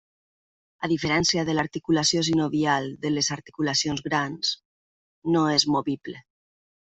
A diferència de l'articulació sinovial de les articulacions grans, no és movible.